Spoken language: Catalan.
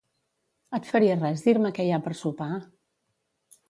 Et faria res dir-me què hi ha per sopar?